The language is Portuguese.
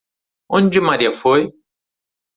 Onde Maria foi?